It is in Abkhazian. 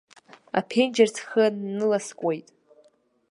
Аԥенџьыр схы ныласкуеит.